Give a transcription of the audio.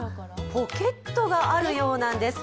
ポケットがあるようなんです。